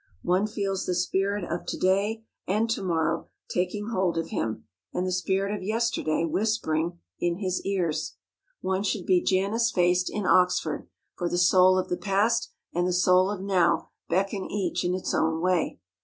One feels the spirit of To day and To morrow taking hold of him and the spirit of Yesterday whispering in his ears. One should be Janus faced in Oxford, for the soul of the Past and the soul of Now beckon each in its own way.